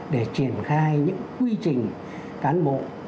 để triển khai những quy trình cán bộ